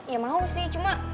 ya mau sih cuma